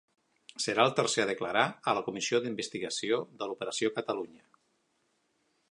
Serà el tercer a declarar a la comissió d'investigació de l'Operació Catalunya